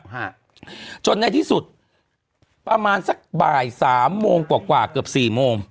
ฮะจนในที่สุดประมาณสักบ่ายสามโมงกว่ากว่าเกือบสี่โมง